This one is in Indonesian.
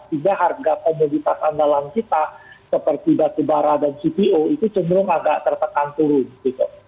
sehingga harga komoditas andalan kita seperti batubara dan cpo itu cenderung agak tertekan turun gitu